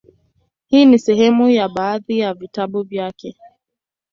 Hii ni sehemu ya baadhi ya vitabu vyake;